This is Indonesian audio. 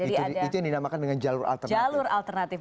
itu yang dinamakan dengan jalur alternatif